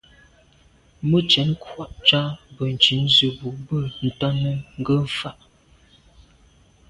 Mə́ cwɛ̌d kwâ’ ncâ bə̀ncìn zə̄ bù bə̂ ntɔ́nə́ ngə́ fâ’.